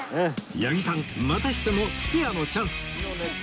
八木さんまたしてもスペアのチャンス